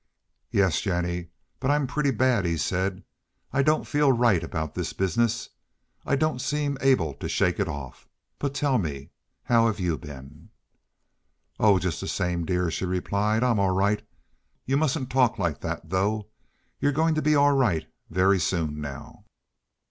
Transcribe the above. "Yes, Jennie, but I'm pretty bad," he said. "I don't feel right about this business. I don't seem able to shake it off. But tell me, how have you been?" "Oh, just the same, dear," she replied. "I'm all right. You mustn't talk like that, though. You're going to be all right very soon now."